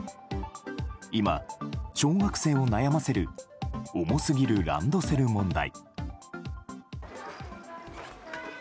今、小学生を悩ませる重すぎるランドセル問題。